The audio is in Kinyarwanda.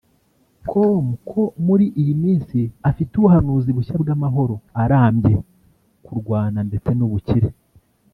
com ko muri iyi minsi afite ubuhanuzi bushya bw’amahoro arambye ku Rwanda ndetse n’ubukire